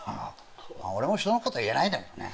俺も人のことは言えないけどね。